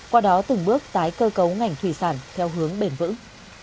qua đó từng bước tái cơ cấu ngành thủy sản theo hướng bền vững